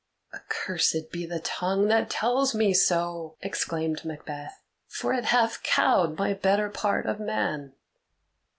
"Accursed be the tongue that tells me so!" exclaimed Macbeth, "for it hath cowed my better part of man.